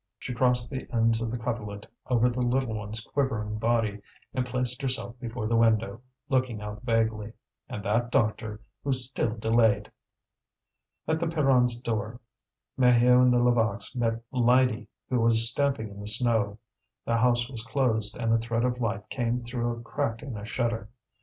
She crossed the ends of the coverlet over the little one's quivering body, and placed herself before the window, looking out vaguely. And that doctor, who still delayed! At the Pierrons' door Maheu and the Levaques met Lydie, who was stamping in the snow. The house was closed, and a thread of light came though a crack in a shutter.